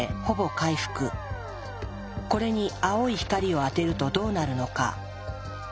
これに青い光を当てるとどうなるのか。